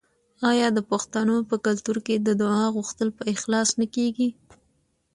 آیا د پښتنو په کلتور کې د دعا غوښتل په اخلاص نه کیږي؟